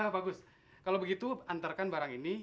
bagus kalau begitu antarkan barang ini